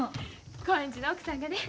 興園寺の奥さんがね